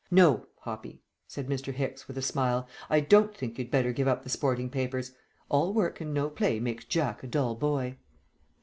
"No, Hoppy," said Mr. Hicks, with a smile, "I don't think you'd better give up the sporting papers; 'all work and no play makes Jack a dull boy.'"